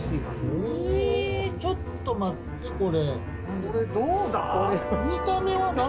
えぇちょっと待ってこれ。